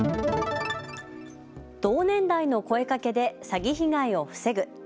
同年代の声かけで詐欺被害を防ぐ。